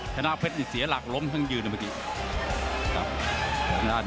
ชนะเพชรเสียหลักล้มทั้งยืน